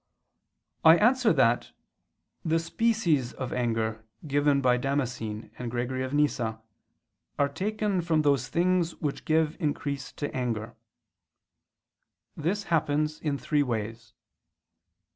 ]. I answer that, The species of anger given by Damascene and Gregory of Nyssa are taken from those things which give increase to anger. This happens in three ways.